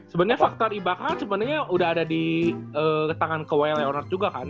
sebenernya faktor ibaka sebenernya udah ada di tangan kewaya leonard juga kan